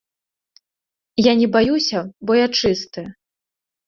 Я не баюся, бо я чысты.